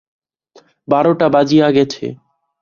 বারোটা বাজিয়া গেছে।